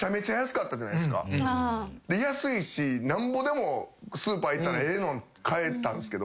安いし何ぼでもスーパー行ったらええの買えたんすけど。